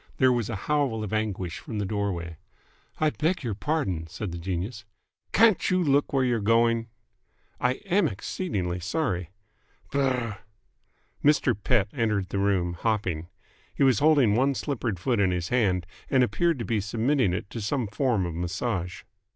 There was a howl of anguish from the doorway. "I beg your pardon!" said the genius. "Can't you look where you're going!" "I am exceedingly sorry " "Brrh!" Mr. Pett entered the room, hopping. He was holding one slippered foot in his hand and appeared to be submitting it to some form of massage.